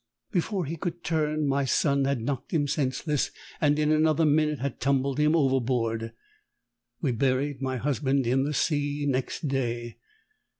Before he could turn, my son had knocked him senseless, and in another minute had tumbled him overboard. We buried my husband in the sea, next day.